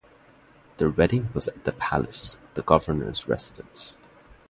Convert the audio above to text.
Their wedding was at the Palace, the governor's residence.